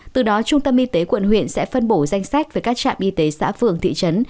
từ đó trung tâm y tế quận huyện sẽ phân bổ danh sách về các trạm y tế xã phường thị trấn